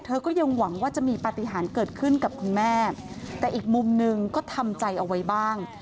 เธอก็ยังหวังว่าจะมีปฏิหารเกิดขึ้นกับคุณแม่แต่อีกมุมหนึ่งก็ทำใจเอาไว้บ้าง